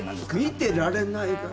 見てられないからさあ。